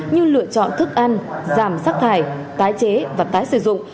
như lựa chọn thức ăn giảm rác thải tái chế và tái sử dụng